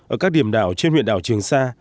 ở các điểm đảo trên huyện đảo trường sa